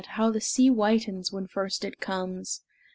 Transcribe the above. how the sea whitens When first it comes!